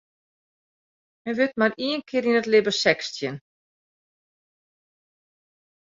Men wurdt mar ien kear yn it libben sechstjin.